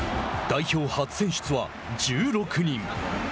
代表初選出は１６人。